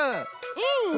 うん！